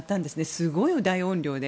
すごい大音量で。